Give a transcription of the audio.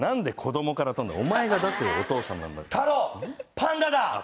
パンダだ！